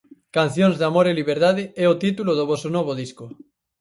Cancións de amor e liberdade é o título do voso novo disco.